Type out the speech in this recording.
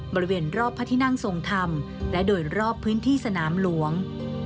บริเวณรอบพระที่นั่งทรงธรรมและโดยรอบพื้นที่สนามหลวง